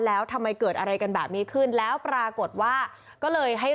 แล้วทำไมเกิดอะไรกันแบบนี้ขึ้นแล้วปรากฏว่าก็เลยให้